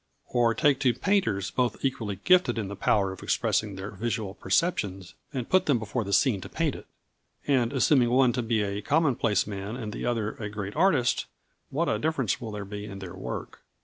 Or take two painters both equally gifted in the power of expressing their visual perceptions, and put them before the scene to paint it. And assuming one to be a commonplace man and the other a great artist, what a difference will there be in their work.